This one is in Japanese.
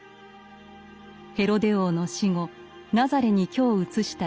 ヘロデ王の死後ナザレに居を移したイエス。